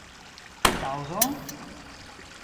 Kaŭzon?